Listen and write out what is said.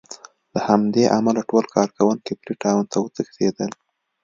له همدې امله ټول کارکوونکي فري ټاون ته وتښتېدل.